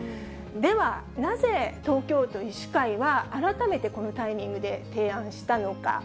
では、なぜ東京都医師会は、改めてこのタイミングで提案したのか。